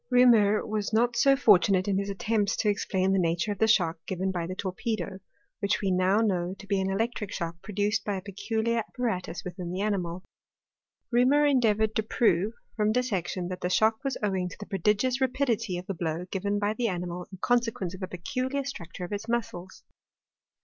. Reaumur was not so fortunate in his attempts to ex plain the nature of the shock given by the torpedo ; which we now know to be an electric shock produced by a peculiar apparatus within the animal. Reaumur endeavoured to prove, from dissection, that the shock was owing to the prodigious rapidity of the blow given by the animal in consequence of a peculiar structure of its muscles.